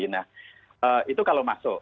nah itu kalau masuk